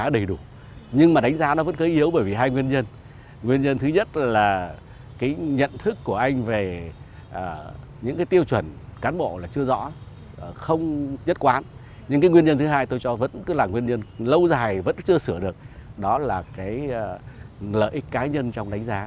đánh giá cán bộ